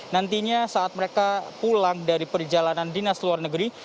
nantinya saat mereka pulang dari perjalanan dinas luar negeri